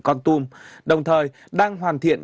chúng tôi sẽ ghi nhận